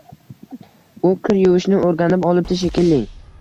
U kir yuvishni oʻrganib olibdi, shekilli